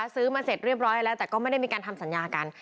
ซื้อมาเสร็จเรียบร้อยแล้วแต่ก็ไม่ได้มีการทำสัญญากัน